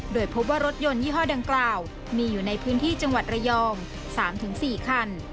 โดยพบว่ารถยนต์ยี่ห้อดังกล่าวมีอยู่ในพื้นที่จังหวัดระยอง๓๔คัน